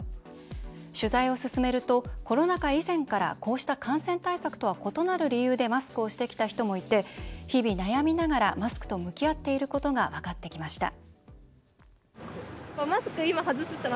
取材を進めるとコロナ禍以前からこうした感染対策とは異なる理由でマスクをしてきた人もいて日々悩みながらマスクと向き合っていることが分かってきました。